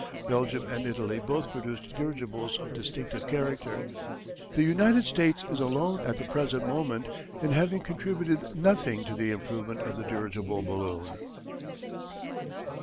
Belgium and Italy both produced dirigibles of distinctive character. The United States is alone at the present moment in having contributed nothing to the improvement of the dirigible balloon.